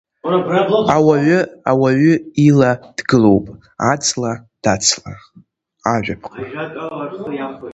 Ауаҩы ауаҩы ила дгылоуп, аҵла дацла Ажәаԥҟа.